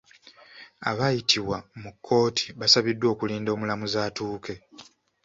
Abaayitibwa mu kkooti basabiddwa okulinda omulamuzi atuuke.